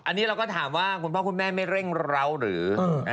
อันนี้เราก็ถามว่าคุณพ่อคุณแม่ไม่เร่งร้าวหรือ